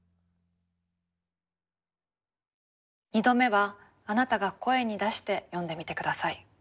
２度目はあなたが声に出して読んでみて下さい。